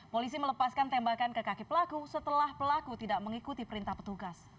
polisi melepaskan tembakan ke kaki pelaku setelah pelaku tidak mengikuti perintah petugas